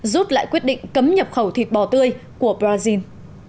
rút lại quyết định cấm nhập khẩu thịt bò tươi của brazil